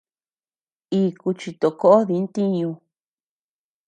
Iku chitokoʼo di ntiñu.